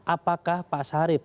apakah pak sarip